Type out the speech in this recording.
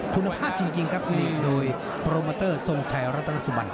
คุณภาพจริงครับลิงโดยโปรโมเตอร์ทรงชัยรัตนสุบัน